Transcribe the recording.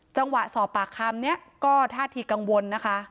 สอบปากคำเนี่ยก็ท่าทีกังวลนะคะ